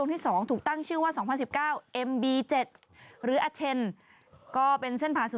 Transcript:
นางคิดแบบว่าไม่ไหวแล้วไปกด